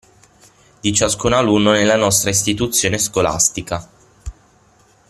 Di ciascun alunno nella nostra istituzione scolastica.